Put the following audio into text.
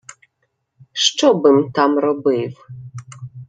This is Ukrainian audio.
— Що би-м там робив?